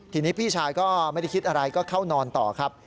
ทีนี้พี่ชายก็ไม่ได้คิดอะไรก็เข้านอนต่อครับ